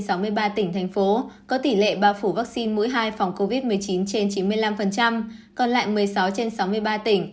thành phố có tỷ lệ bao phủ vaccine mũi hai phòng covid một mươi chín trên chín mươi năm còn lại một mươi sáu trên sáu mươi ba tỉnh